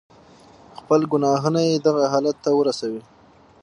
خپل گناهونه ئې دغه حالت ته ورسوي.